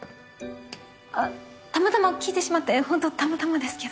あったまたま聞いてしまってほんとたまたまですけど。